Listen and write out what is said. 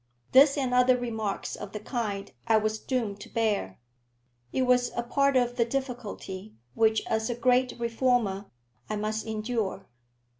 This and other remarks of the kind I was doomed to bear. It was a part of the difficulty which, as a great reformer, I must endure.